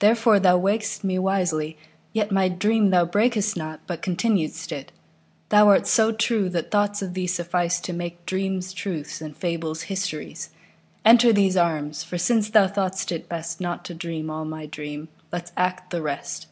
Therefore thou waked'st me wisely; yetMy dream thou brak'st not, but continued'st it:Thou art so true that thoughts of thee sufficeTo make dreams truths and fables histories. Enter these arms, for since thou thought'st it bestNot to dream all my dream, let's act the rest.